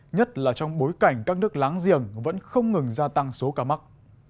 nhất là trong bối cảnh các nước láng giềng vẫn không ngừng gia tăng số ca mắc